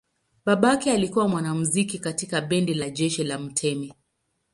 Babake alikuwa mwanamuziki katika bendi la jeshi la mtemi.